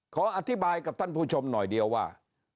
ขออธิบายกับท่านผู้ชมหน่อยเดียวว่า